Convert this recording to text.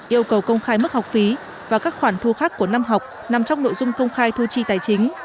yêu cầu công khai mức học phí và các khoản thu khác của năm học nằm trong nội dung công khai thu chi tài chính